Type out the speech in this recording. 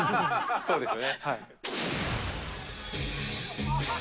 そうですよね。